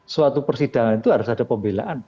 suatu persidangan itu harus ada pembelaan